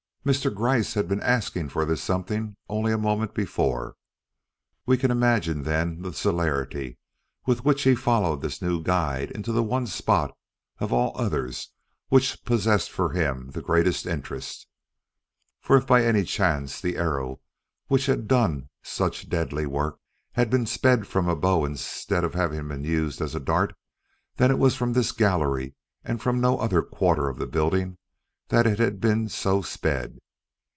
Mr. Gryce had been asking for this something only a moment before. We can imagine, then, the celerity with which he followed this new guide into the one spot of all others which possessed for him the greatest interest. For if by any chance the arrow which had done such deadly work had been sped from a bow instead of having been used as a dart, then it was from this gallery and from no other quarter of the building that it had been so sped.